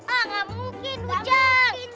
ah ga mungkin hujan